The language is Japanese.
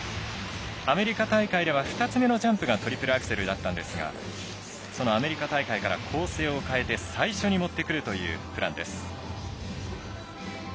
アメリカ大会では２つ目のジャンプがトリプルアクセルだったんですがそのアメリカ大会から構成を変えて最初に持ってくるというプランです。